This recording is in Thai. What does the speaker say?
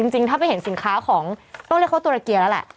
จริงถ้าไปเห็นสินค้าของต้องเรียกเขาตุรเกียร์แล้วแหละ